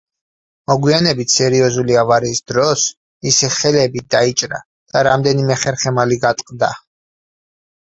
მოგვიანებით, სერიოზული ავარიის დროს მისი ხელები დაიჭრა და რამდენიმე ხერხემალი გატყდა.